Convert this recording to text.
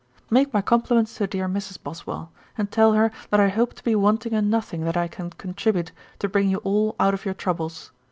'Make my compliments to dear Mrs. Boswell; and tell her, that I hope to be wanting in nothing that I can contribute to bring you all out of your troubles.